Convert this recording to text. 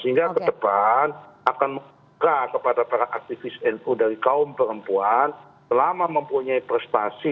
sehingga ke depan akan membuka kepada para aktivis nu dari kaum perempuan selama mempunyai prestasi